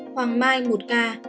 hoàng mai một ca